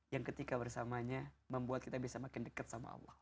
yang ketika bersamanya membuat kita bisa makin dekat sama allah